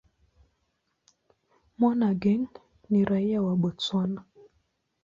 Monageng ni raia wa Botswana.